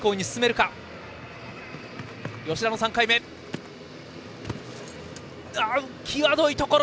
吉田の３回目、際どいところ。